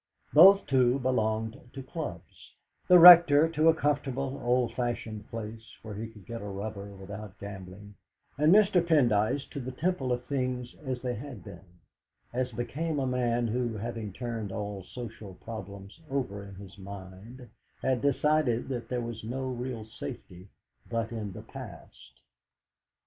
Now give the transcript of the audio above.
Both, too, belonged to clubs the Rector to a comfortable, old fashioned place where he could get a rubber without gambling, and Mr. Pendyce to the Temple of things as they had been, as became a man who, having turned all social problems over in his mind, had decided that there was no real safety but in the past.